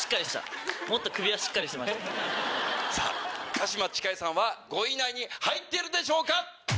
加島ちかえさんは５位以内に入っているでしょうか